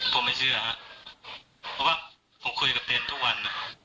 ผมไม่เชื่อฮะเพราะว่าผมคุยกับเนรทุกวัน